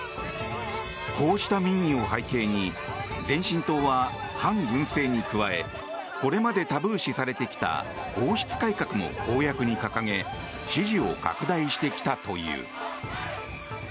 こうした民意を背景に前進党は反軍政に加えこれまでタブー視されてきた王室改革も公約に掲げ支持を拡大してきたという。